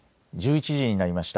１１時になりました。